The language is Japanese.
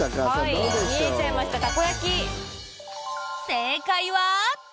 正解は。